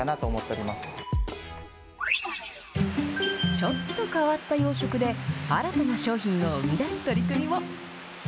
ちょっと変わった養殖で、新たな商品を生み出す取り組みも。